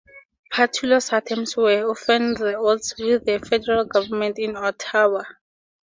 Pattullo's attempts were often at odds with the federal government in Ottawa.